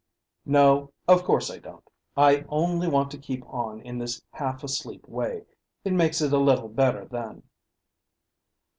"No, of course I don't. I only want to keep on in this half asleep way; it makes it a little better then."